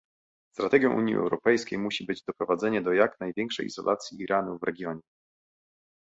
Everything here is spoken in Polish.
Strategią Unii Europejskiej musi być doprowadzenie do jak największej izolacji Iranu w regionie